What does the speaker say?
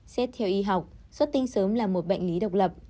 xét theo y học xuất tinh sớm là một bệnh lý độc lập